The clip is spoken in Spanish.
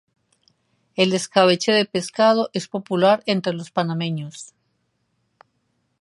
El escabeche de pescado es popular entre los panameños.